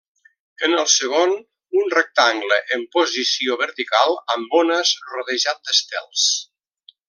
En el segon, un rectangle en posició vertical amb ones rodejat d'estels.